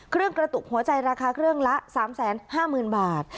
กระตุกหัวใจราคาเครื่องละ๓๕๐๐๐บาท